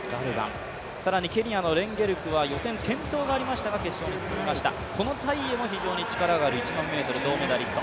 更にケニアのレンゲルクは予選転倒がありましたが、決勝に進みました、タイエも非常に力がある、１００００ｍ銅メダリスト。